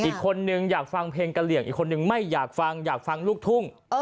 อีกคนนึงอยากฟังเพลงกะเหลี่ยงอีกคนนึงไม่อยากฟังอยากฟังลูกทุ่ง